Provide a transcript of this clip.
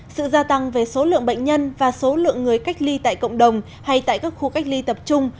sự gia tăng về số lượng bệnh nhân và số lượng người cách ly tại cộng đồng hay tại các khu cách ly tập trung